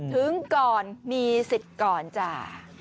ถึงก่อนมีสิทธิ์ก่อนจ้า